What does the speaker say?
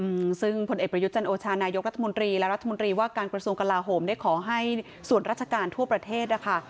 อืมซึ่งผลเอกประยุทธ์จันโอชานายกรัฐมนตรีและรัฐมนตรีว่าการกระทรวงกลาโหมได้ขอให้ส่วนราชการทั่วประเทศนะคะ